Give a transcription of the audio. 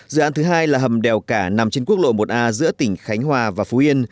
dự án thứ hai là hầm đèo cả nằm trên quốc lộ một a giữa tỉnh khánh hòa và phú yên